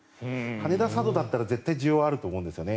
羽田佐渡だったら需要があると思うんですよね。